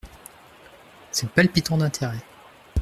C'est palpitant d'intérêt.